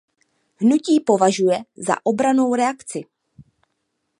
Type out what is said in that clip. Hnutí považuje za „obrannou reakci“.